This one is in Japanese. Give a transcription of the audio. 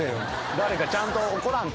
誰かちゃんと怒らんと。